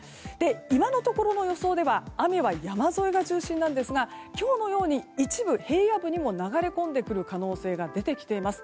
今のところの予想では雨は山沿いが中心なんですが今日のように一部、平野部にも流れ込んでくる可能性が出てきています。